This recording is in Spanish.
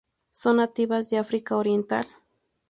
Son nativas de África oriental.